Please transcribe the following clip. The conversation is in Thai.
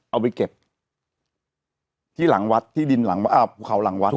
เอาไปเก็บที่หลังวัดที่ดินหลังภูเขาหลังวัด